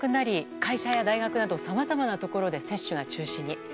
会社や大学などさまざまなところで接種が中止に。